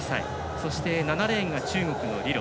そして７レーンが中国の李露